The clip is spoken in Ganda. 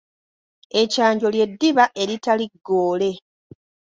Ekyanjo ly’eddiba eritali ggwoole.